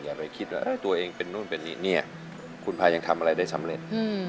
อย่าไปคิดว่าตัวเองเป็นนู่นเป็นนี่เนี่ยคุณพายังทำอะไรได้สำเร็จ